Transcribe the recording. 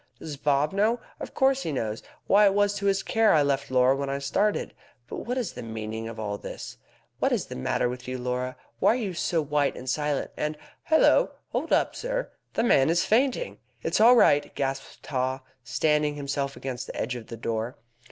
"Does Bob know? Of course he knows. Why, it was to his care I left Laura when I started. But what is the meaning of all this? What is the matter with you, Laura? Why are you so white and silent? And hallo! Hold up, sir! The man is fainting!" "It is all right!" gasped Haw, steadying himself against the edge of the door.